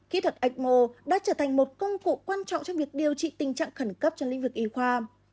kỹ thuật ecmo đã trở thành một công cụ quan trọng trong việc điều trị tình trạng khẩn cấp trong lĩnh vực y khoa